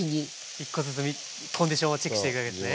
１個ずつコンディションをチェックしていくわけですね。